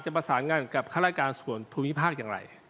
ประสานงานกับข้าราชการส่วนภูมิภาคอย่างไร